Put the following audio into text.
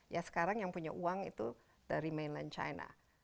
ya sekarang yang punya uang itu dari mainland china